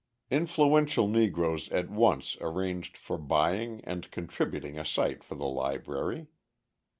Influential Negroes at once arranged for buying and contributing a site for the library.